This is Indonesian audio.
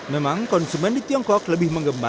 memang konsumen di tiongkok lebih mengembangkan